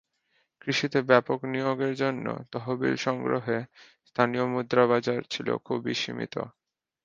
কৃষিতে ব্যাপক বিনিয়োগের জন্য তহবিল সংগ্রহে স্থানীয় মুদ্রা বাজার ছিল খুবই সীমিত।